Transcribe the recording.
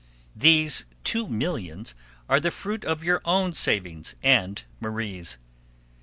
These two millions are the fruit of your own savings and Marie's.